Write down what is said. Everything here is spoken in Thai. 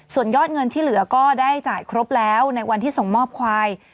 ส่วนยอดเงินที่เหลือก็ได้จ่ายครบแล้วในวันที่ส่งมอบควาย